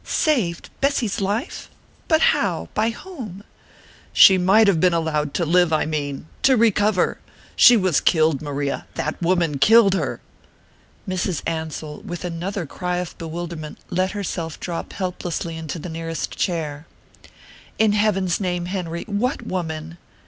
"Saved Bessy's life? But how? By whom?" "She might have been allowed to live, I mean to recover. She was killed, Maria; that woman killed her!" Mrs. Ansell, with another cry of bewilderment, let herself drop helplessly into the nearest chair. "In heaven's name, Henry what woman?"